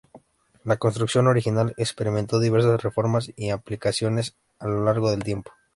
La construcción original experimentó diversas reformas y ampliaciones a lo largo del tiempo.